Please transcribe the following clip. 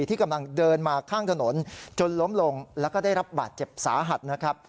ที่กำลังเดินมาข้างถนนจนล้มลงแล้วก็ได้รับบาดเจ็บสาหัสนะครับ